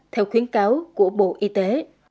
theo khuyến cáo của bộ y tế